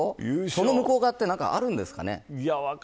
その向こう側って何かあるんですかね。